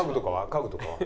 家具とかは？